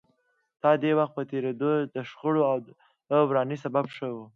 دا د وخت په تېرېدو د شخړو او ورانۍ سبب شوه